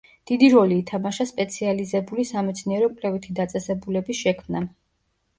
დიდი როლი ითამაშა სპეციალიზებული სამეცნიერო-კვლევითი დაწესებულების შექმნამ.